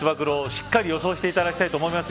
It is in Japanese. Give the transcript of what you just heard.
しっかり予想していただきたいと思います。